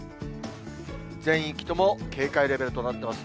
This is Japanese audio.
全域とも警戒レベルとなってます。